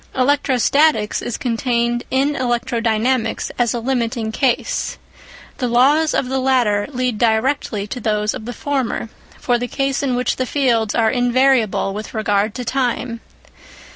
Electrostatics is contained in electrodynamics as a limiting case ; the laws of the latter lead directly to those of the former for the case in which the fields are invariable with regard to time.